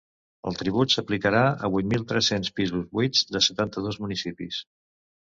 El tribut s’aplicarà a vuit mil tres-cents pisos buits de setanta-dos municipis.